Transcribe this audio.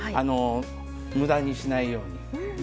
むだにしないように。